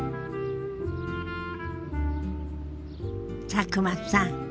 佐久間さん